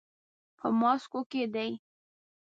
په ماسکو کې دی.